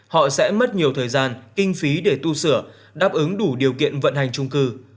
họ sẽ mất nhiều thời gian kinh phí để tu sửa đáp ứng đủ điều kiện vận hành trung cư